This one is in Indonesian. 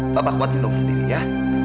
bapak kuat minum sendiri ya